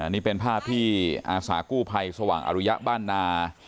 นี่เป็นภาพที่อาสากู้ภัยสว่างอรุยะบ้านนา